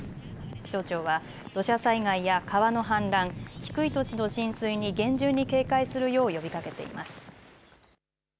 気象庁は、土砂災害や川の氾濫低い土地の浸水に厳重に警戒するよう呼びかけています。